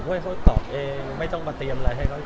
ให้เขาตอบเองไม่ต้องมาเตรียมอะไรให้เขา